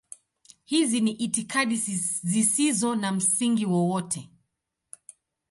Hizi ni itikadi zisizo na msingi wowote.